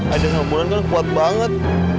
aida sempurna kan kuat banget